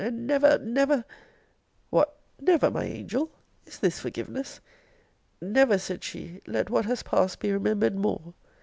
and never never What! never, my angel! Is this forgiveness? Never, said she, let what has passed be remembered more!